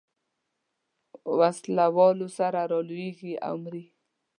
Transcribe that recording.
وسلو سره رالویېږي او مري.